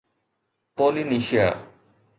Polynesia